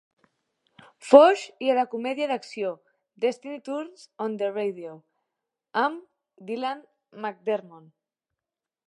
Fox, i a la comèdia d'acció "Destiny Turns on the Radio" amb Dylan McDermott.